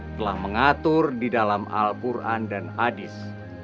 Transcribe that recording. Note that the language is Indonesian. telah mengatur di dalam al quran dan hadis